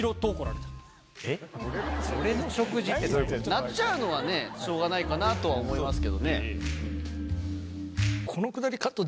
鳴っちゃうのはねしょうがないかなとは思いますけどね。